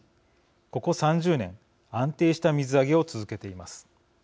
ここ３０年安定した水揚げを続けています。